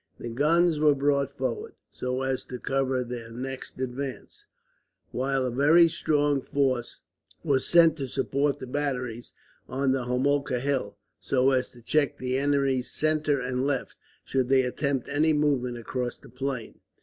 The guns were brought forward, so as to cover their next advance; while a very strong force was sent to support the batteries on the Homolka Hill, so as to check the enemy's centre and left, should they attempt any movement across the plain.